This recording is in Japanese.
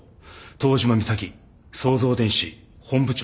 東島美咲創造電子本部長。